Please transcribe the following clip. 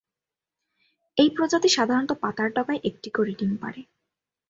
এই প্রজাতি সাধারনত পাতার ডগায় একটি করে ডিম পাড়ে।